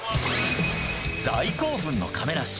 大興奮の亀梨。